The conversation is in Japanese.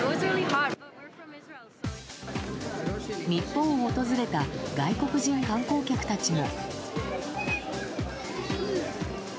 日本を訪れた外国人観光客たちも。